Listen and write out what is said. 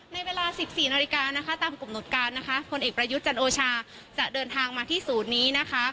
ในเวลา๑๔นาฬิกานะคะตามกำหนดการนะคะพลเอกประยุทธ์จันโอชาจะเดินทางมาที่ศูนย์นี้นะคะ